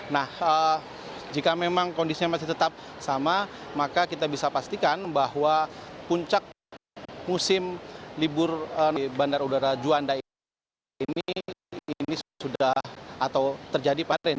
nah jika memang kondisinya masih tetap sama maka kita bisa pastikan bahwa puncak musim libur bandar udara juanda ini sudah atau terjadi panen